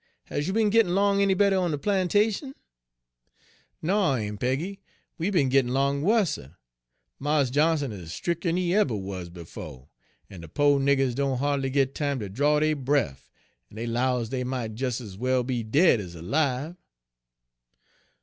Has you be'n gittin' 'long any better on de plantation?' " 'No, Aun' Peggy, we be'n gittin' 'long wusser. Mars Johnson is stric'er 'n he eber wuz befo', en de po' niggers doan ha'dly git time ter draw dey bref, en dey 'lows dey mought des ez well be dead ez alibe.'